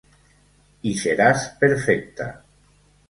Y serás perfecta".